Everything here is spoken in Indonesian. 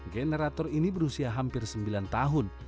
generator ini berusia hampir sembilan tahun